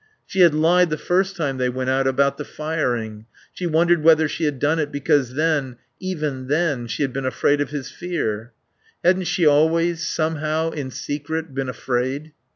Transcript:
She had lied, the first time they went out, about the firing. She wondered whether she had done it because then, even then, she had been afraid of his fear. Hadn't she always somehow, in secret, been afraid?